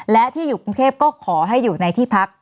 และที่อยู่กรุงเทพก็ขอให้อยู่ในที่พัก